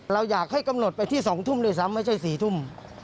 เราอยากให้กำหนดไปที่๒ทุ่มด้วยซ้ำไม่ใช่๔ทุ่ม